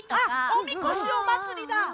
「おみこし」おまつりだ。